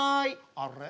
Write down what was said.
あれ？